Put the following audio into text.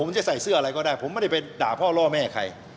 ผมจะใส่เสื้ออะไรก็ได้ผมไม่ได้ไปด่าพ่อล่อแม่ใคร